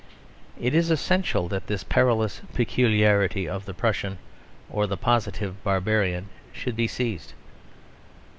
It is essential that this perilous peculiarity in the Pruss, or Positive Barbarian, should be seized.